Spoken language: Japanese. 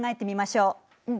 うん。